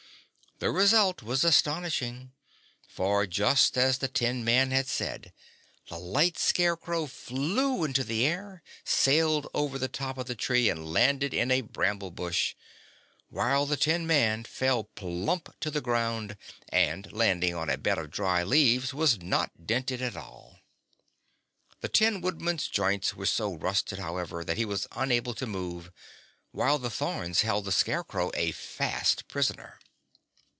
The result was astonishing; for, just as the tin man had said, the light Scarecrow flew into the air, sailed over the top of the tree and landed in a bramble bush, while the tin man fell plump to the ground, and landing on a bed of dry leaves was not dented at all. The Tin Woodman's joints were so rusted, however, that he was unable to move, while the thorns held the Scarecrow a fast prisoner.